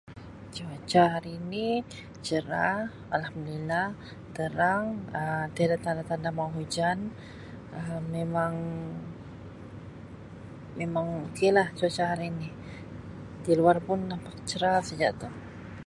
Cuaca hari ni cerah, Alhamdulillah. Terang, Um tiada tanda-tanda mahu hujan , Um memang-memang okaylah cuaca hari ni. Di luar pun nampak cerah saja tu.